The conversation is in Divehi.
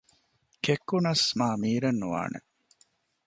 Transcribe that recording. ކެއްކުނަސް މާމީރެއް ނުވާނެ